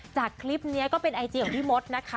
จากคลิปนี้ก็เป็นไอจีของพี่มดนะคะ